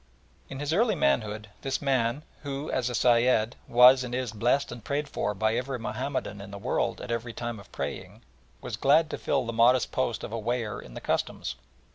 In his early manhood this man, who as a Sayed, was and is blessed and prayed for by every Mahomedan in the world at every time of praying, was glad to fill the modest post of a weigher in the Customs.